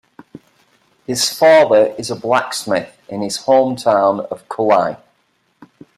His father is a blacksmith in his hometown of Kulai.